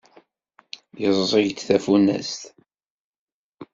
Yeẓẓeg-d tafunast.